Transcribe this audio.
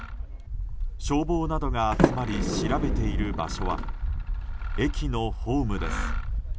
消防などが集まり調べている場所は駅のホームです。